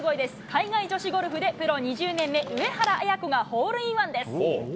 海外女子ゴルフでプロ２０年目、上原彩子がホールインワンです。